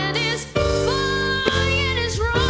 นี่มาจากเพลง